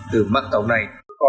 từ mạng tổng này